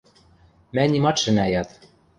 Мӓ нимат шӹнӓ яд.